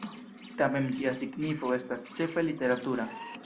Tamen ĝia signifo estas ĉefe literatura.